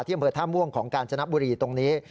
ที่บำเผิดท่าม่วงของการจนับบุรีตรงนี้